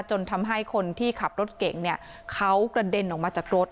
จนทำให้คนที่ขับรถเก่งเนี่ยเขากระเด็นออกมาจากรถ